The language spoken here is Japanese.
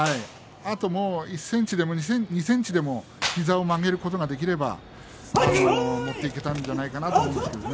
あと１ｃｍでも２ｃｍでも膝を曲げることができれば持っていけたんじゃないかなと思うんですけれど。